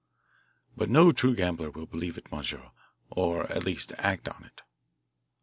"But no true gambler will believe it, monsieur, or at least act on it."